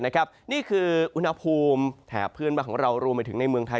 นี่คืออุณหภูมิแถบพื้นบ้านของเรารวมไปถึงในเมืองไทย